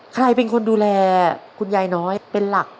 ใครเป็นคนดูแลคุณยายน้อยเป็นหลัก